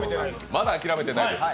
まだ諦めてないです。